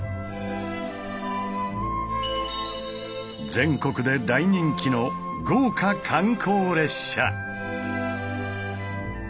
全国で大人気の豪華観光列車！